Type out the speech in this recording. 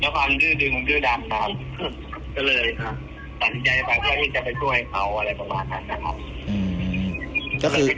ความดื้อดึงดื้อดำครับก็เลยตัดสินใจไปเพื่อที่จะไปช่วยเขาอะไรประมาณนั้นนะครับ